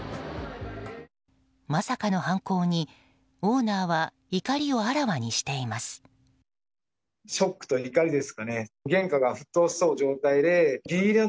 まさかの犯行に、オーナーは怒りをあらわにしています。